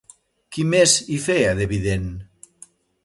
Qui més hi feia de vident?